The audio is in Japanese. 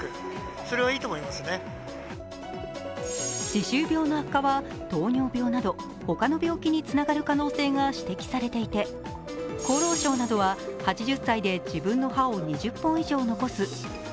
歯周病の悪化は糖尿病などほかの病気につながる可能性が指摘されていて厚労省などは８０歳で自分の歯を２０本以上残す８０２０